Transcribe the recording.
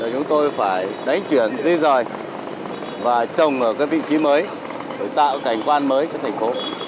chúng tôi phải đánh chuyển dư dòi và trồng ở các vị trí mới để tạo cảnh quan mới cho thành phố